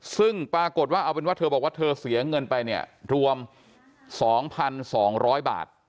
ซึ่งปรากฏว่าเอาเป็นว่าเธอบอกว่าเธอเสียเงินไปเนี่ยรวม๒๒๐๐บาท